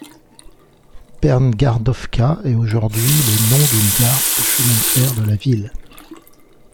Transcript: Berngardovka est aujourd’hui le nom d'une gare de chemin de fer de la ville.